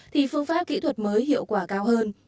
thì phương pháp kỹ thuật mới hiệu quả cao hơn